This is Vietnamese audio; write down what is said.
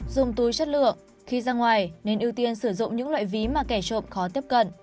dùng túi chất lượng khi ra ngoài nên ưu tiên sử dụng những loại ví mà kẻ trộm khó tiếp cận